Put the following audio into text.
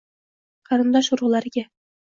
Qarindosh-urugʼlarga: